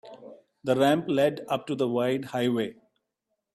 The ramp led up to the wide highway.